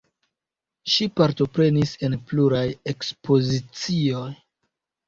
Ŝi partoprenis en pluraj ekspozicioj.